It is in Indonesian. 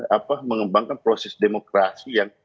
apa mengembangkan proses demokrasi yang